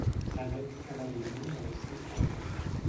S'emet cada dilluns a les sis de la tarda.